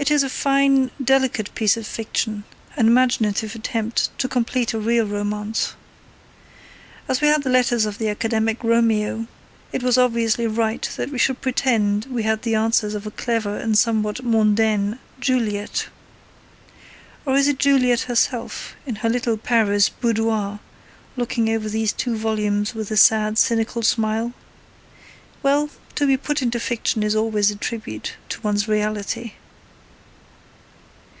It is a fine, delicate piece of fiction, an imaginative attempt to complete a real romance. As we had the letters of the academic Romeo, it was obviously right that we should pretend we had the answers of the clever and somewhat mondaine Juliet. Or is it Juliet herself, in her little Paris boudoir, looking over these two volumes with a sad, cynical smile? Well, to be put into fiction is always a tribute to one's reality.